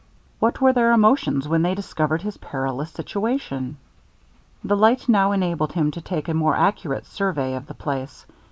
What were their emotions when they discovered his perilous situation! The light now enabled him to take a more accurate survey of the place.